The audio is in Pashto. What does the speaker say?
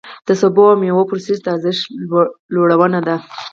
د سبو او مېوو پروسس د ارزښت لوړونه ده.